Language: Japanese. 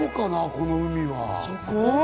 この海は。